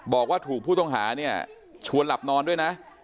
บอกว่าถูกผู้ต้องหาเนี่ยชวนหลับนอนด้วยนะ